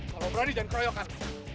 kalau berani jangan keroyokan